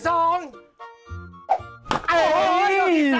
โรคที่๓